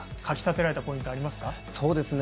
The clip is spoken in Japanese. かき立てられたポイントはありますか？